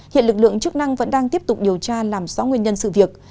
hiện lực lượng chức năng vẫn đang tiếp tục điều tra làm rõ nguyên nhân sự việc